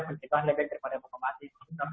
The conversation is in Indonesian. pencegahan lebih dari muka mati